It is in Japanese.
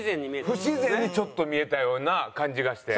不自然にちょっと見えたような感じがして。